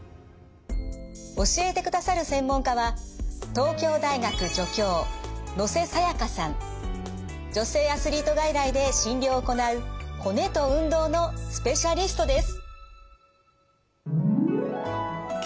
教えてくださる専門家は女性アスリート外来で診療を行う骨と運動のスペシャリストです。